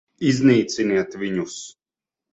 Iznīciniet viņus!